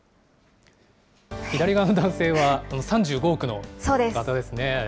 左側の男性は３５億の方ですね。